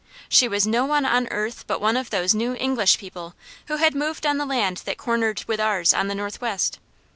She was no one on earth but one of those new English people who had moved on the land that cornered with ours on the northwest.